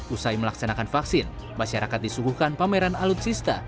usai melaksanakan vaksin masyarakat disuguhkan pameran alutsista